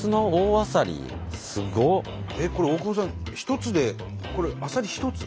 これ大久保さん一つでこれあさり一つ？